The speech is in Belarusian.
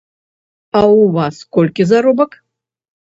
А ў вас колькі заробак?